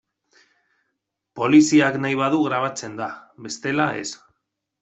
Poliziak nahi badu grabatzen da, bestela ez.